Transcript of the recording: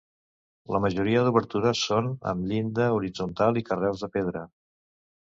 La majoria d'obertures són amb llinda horitzontal i carreus de pedra.